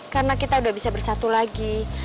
karena kita udah bisa bersatu lagi